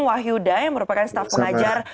wahyuda yang merupakan staff pengajar